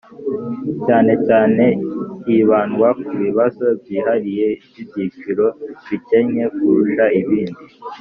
cyane cyane hibandwa ku bibazo byihariye by'ibyiciro bikennye kurusha ibindi